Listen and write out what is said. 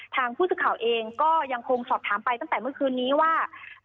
ทางผู้สื่อข่าวเองก็ยังคงสอบถามไปตั้งแต่เมื่อคืนนี้ว่า